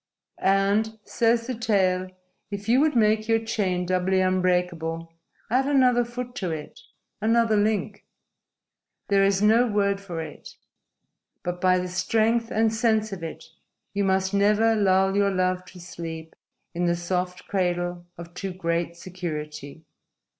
_ _And, says the tale, if you would make your chain doubly unbreakable, add another foot to it, another link. There is no word for it. But, by the strength and sense of it, you must never lull your love to sleep in the soft cradle of too great security.